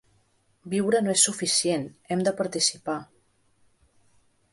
“Viure no és suficient, hem de participar”.